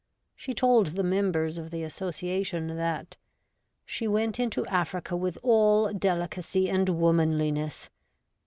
She told the members of the Association that ' she went into Africa with all delicacy and womanliness.'